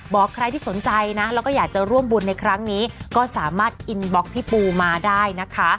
บอกใครที่สนใจนะแล้วก็อยากจะร่วมบุญในครั้งนี้ก็สามารถอินบล็อกพี่ปูมาได้นะคะ